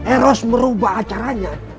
eros merubah acaranya